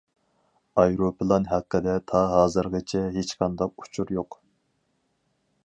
ئايروپىلان ھەققىدە تا ھازىرغىچە ھېچقانداق ئۇچۇر يوق.